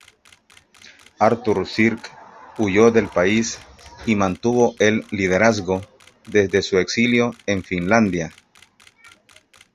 Artur Sirk huyó del país y mantuvo el liderazgo desde su exilio en Finlandia.